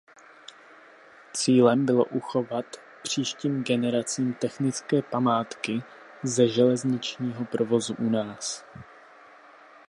Cílem bylo "„uchovat příštím generacím technické památky ze železničního provozu u nás“".